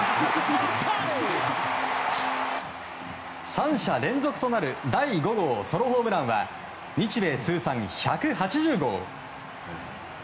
３者連続となる第５号ソロホームランは日米通算１８０号。